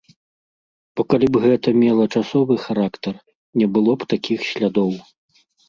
Бо калі б гэта мела часовы характар, не было б такіх слядоў.